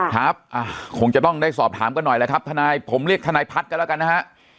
ครับคงจะต้องได้สอบถามกันหน่อยแหละครับทนายผมเรียกทนายพัฒน์กันแล้วกันนะฮะ